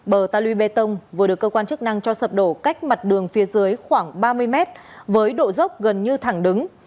bờ ta luy bê tông vừa được cơ quan chức năng cho sập đổ cách mặt đường phía dưới khoảng ba mươi mét với độ dốc gần như thẳng đứng